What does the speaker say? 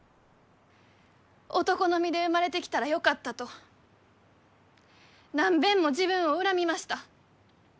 男の身で生まれてきたらよかったと何べんも自分を恨みました。